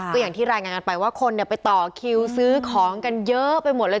ก็อย่างที่รายงานกันไปว่าคนไปต่อคิวซื้อของกันเยอะไปหมดเลย